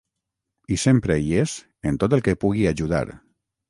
I sempre hi és en tot el que pugui ajudar.